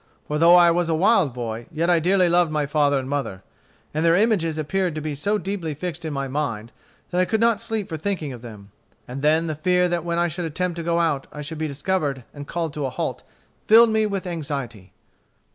For though I was a wild boy, yet I dearly loved my father and mother; and their images appeared to be so deeply fixed in my mind that I could not sleep for thinking of them. And then the fear that when I should attempt to go out I should be discovered and called to a halt, filled me with anxiety."